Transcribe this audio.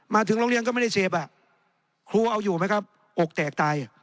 มาถึงโรงเรียนก็ไม่ได้เสพอ่ะครูเอาอยู่ไหมครับอกแตกตาย